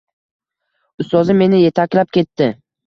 Ustozim meni yetaklab ketdi.